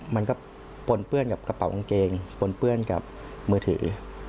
มันก็ปนเปื้อนกับกระเป๋ากางเกงปนเปื้อนกับมือถือ